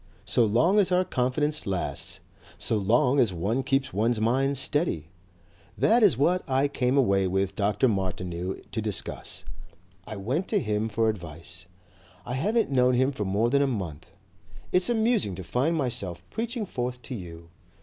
So long as our confidence lasts! So long as one keeps one's mind steady. That is what I came away with Dr. Martineau to discuss. I went to him for advice. I haven't known him for more than a month. It's amusing to find myself preaching forth to you.